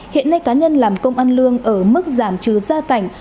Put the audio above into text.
hiện nay cá nhân làm công ăn lương ở mức giảm trừ gia cảnh